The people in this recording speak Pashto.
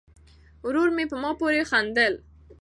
ورور مې په ما پورې خندل.